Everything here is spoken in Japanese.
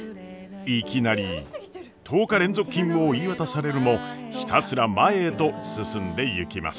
いきなり１０日連続勤務を言い渡されるもひたすら前へと進んでいきます。